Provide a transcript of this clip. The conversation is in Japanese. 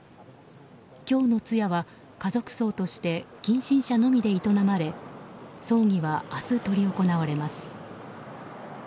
今日の通夜は家族葬として近親者のみで営まれ葬儀は明日、執り行われます。